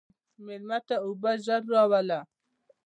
مېلمه ته اوبه ژر راوله.